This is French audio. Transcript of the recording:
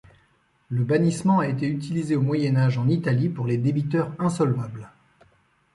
Le bannissement a été utilisé au Moyen Âge en Italie pour les débiteurs insolvables.